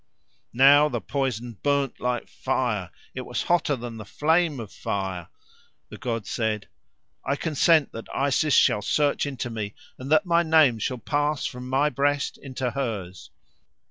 Now the poison burned like fire, it was hotter than the flame of fire. The god said, "I consent that Isis shall search into me, and that my name shall pass from my breast into hers."